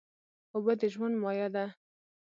اوبه د ژوند مایه ده.